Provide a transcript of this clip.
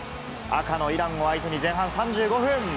赤のイランを相手に、前半３５分。